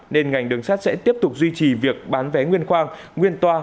nên ngành đường sắt sẽ tiếp tục duy trì việc bán vé nguyên khoang nguyên toa